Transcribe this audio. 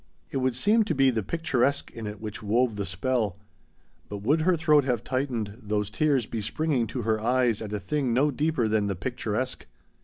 It would seem to be the picturesque in it which wove the spell; but would her throat have tightened, those tears be springing to her eyes at a thing no deeper than the picturesque?